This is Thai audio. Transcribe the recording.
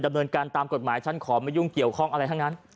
ดำเนินการตามกฎหมายฉันขอไม่ยุ่งเกี่ยวข้องอะไรทั้งนั้น